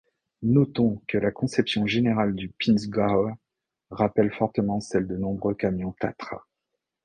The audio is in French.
Notons que la conception générale du Pinzgauer rappelle fortement celle de nombreux camions Tatra.